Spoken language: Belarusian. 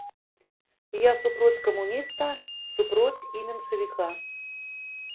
Я супроць камуніста, супроць і меншавіка.